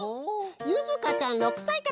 ゆずかちゃん６さいからです！